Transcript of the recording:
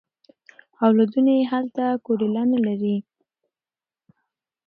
اولادونه یې هلته کوډله نه لري.